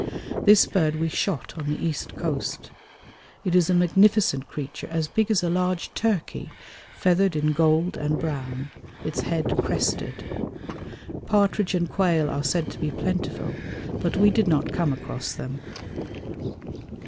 This bird we shot on the east coast. It is a magnificent creature as big as a large turkey, feathered in gold and brown, its head crested. Partridge and quail are said to be plentiful, but we did not come across them.